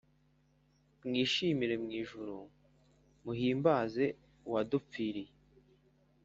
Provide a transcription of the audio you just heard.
mwishimire mwijuru muhimbaze uwadupfiriye